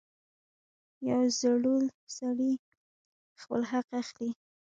• یو زړور سړی خپل حق اخلي.